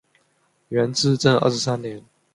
元至正二十三年。